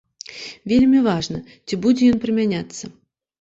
Вельмі важна, ці будзе ён прымяняцца.